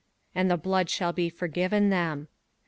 And the blood shall be forgiven them.